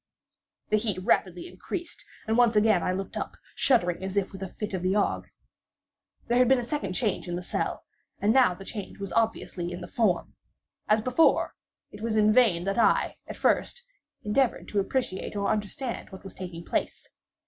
The heat rapidly increased, and once again I looked up, shuddering as with a fit of the ague. There had been a second change in the cell—and now the change was obviously in the form. As before, it was in vain that I, at first, endeavoured to appreciate or understand what was taking place.